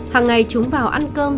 hàng ngày chúng vào ăn cơm